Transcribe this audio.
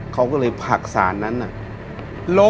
เขาก็เลยผลักสารนั้นน่ะ